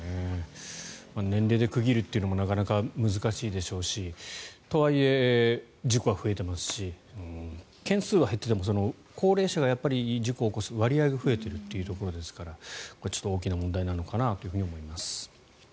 年齢で区切るというのもなかなか難しいでしょうしとはいえ、事故は増えていますし件数は減っていても高齢者が事故を起こす割合が増えているというところですからちょっと大きな問題なのかなと思います。